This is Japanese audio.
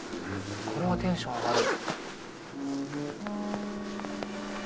これはテンション上がる。